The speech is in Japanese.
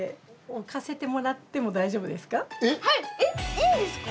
いいんですか？